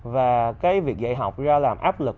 và cái việc dạy học ra làm áp lực